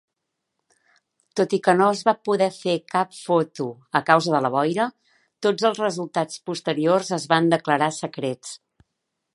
Tot i que no es va fer cap foto a causa de la boira, tots els resultats posteriors es van declarar secrets.